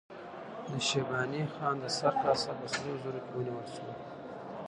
د شیباني خان د سر کاسه په سرو زرو کې ونیول شوه.